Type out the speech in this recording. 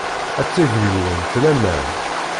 Ad teg deg-went laman.